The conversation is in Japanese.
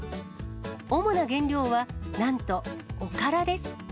主な原料はなんとおからです。